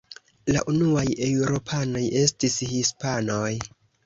La unuaj eŭropanoj estis hispanoj.